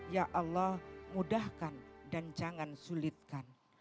ya allah mudahkan dan jangan sulitkan